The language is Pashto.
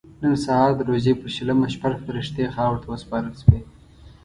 نن سهار د روژې په شلمه شپږ فرښتې خاورو ته وسپارل شوې.